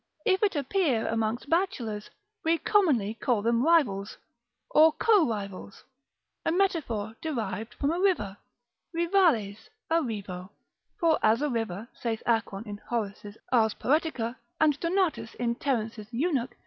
If it appear amongst bachelors, we commonly call them rivals or co rivals, a metaphor derived from a river, rivales, a rivo; for as a river, saith Acron in Hor. Art. Poet. and Donat in Ter. Eunuch.